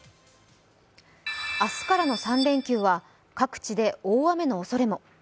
明日からの３連休は各地で大雨のおそれも。